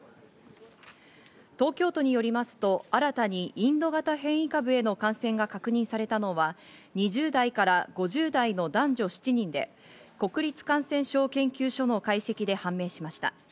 東京都によりますと、新たにインド型変異株への感染が確認されたのは２０代から５０代の男女７人で国立感染症研究所の解析で判明しました。